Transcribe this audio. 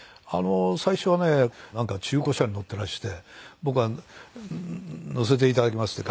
最初はねなんか中古車に乗ってらして僕が「乗せていただきます」ってガ